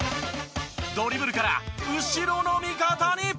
ドリブルから後ろの味方にパス！